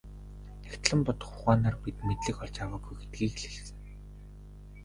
Нягтлан бодох ухаанаар бид мэдлэг олж аваагүй гэдгийг л хэлсэн.